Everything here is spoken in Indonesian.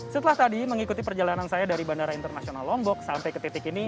setelah tadi mengikuti perjalanan saya dari bandara internasional lombok sampai ke titik ini